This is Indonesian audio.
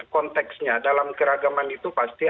konteksnya dalam keragaman itu pasti